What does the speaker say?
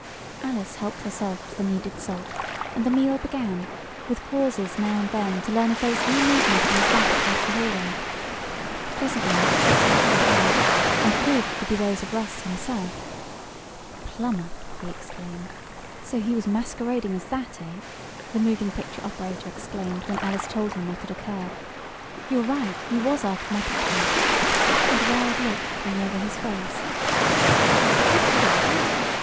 Alice helped herself to the needed salt, and the meal began, with pauses now and then to learn if there was any movement in the flat across the hallway. Presently footsteps were heard, and proved to be those of Russ himself. "Plumber!" he exclaimed. "So he was masquerading as that; eh?" the moving picture operator exclaimed when Alice told him what had occurred. "You're right, he was after my patent," and a worried look came over his face. "Did he get it?"